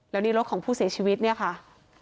แล้วนี่รถของผู้เสียชีวิตเนี่ยค่ะ